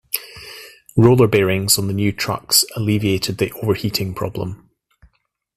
Roller bearings on the new trucks alleviated the overheating problem.